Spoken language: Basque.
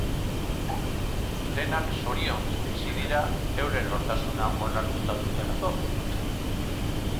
Denak zoriontsu bizi dira, euren nortasuna onartuta dutelako.